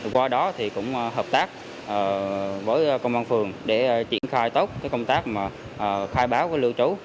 qua đó thì cũng hợp tác với công an phường để triển khai tốt cái công tác mà khai báo với lưu trú